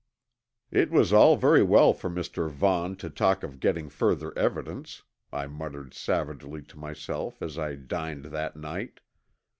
It was all very well for Mr. Vaughn to talk of getting further evidence, I muttered savagely to myself as I dined that night.